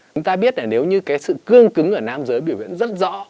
chúng ta biết nếu như sự cương cứng ở nam giới biểu hiện rất rõ